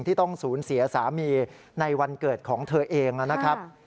ที่ต้องสูญเสียสามีในวันเกิดของเธอเองนะครับ